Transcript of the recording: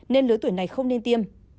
nên lớn tuổi này không nên tiêm